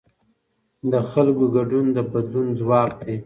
د خلکو ګډون د بدلون ځواک دی